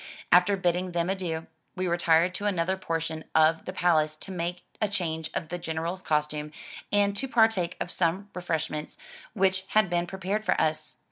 After bidding them adieu, we retired to another portion of the palace to make a change of the General's costume, and to partake of some refreshments which had been prepared for us.